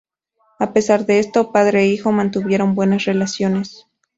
A pesar de esto, padre e hijo mantuvieron buenas relaciones.